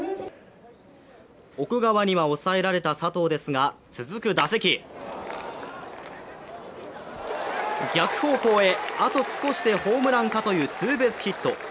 奥川には抑えられた佐藤ですが、続く打席逆方向へ、あと少しでホームランかというツーベースヒット。